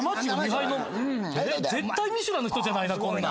絶対『ミシュラン』の人じゃないなこんなん。